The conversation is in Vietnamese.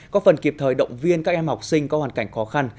có phần kịp thời động viên các em học sinh có hoàn cảnh khó khăn